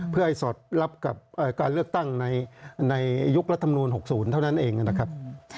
เพื่อให้สอดรับกับการเลือกตั้งในยุครัฐมนูล๖๐เท่านั้นเองนะครับ